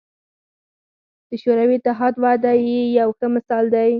د شوروي اتحاد وده یې یو ښه مثال دی.